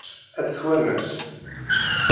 Ad t-twanes?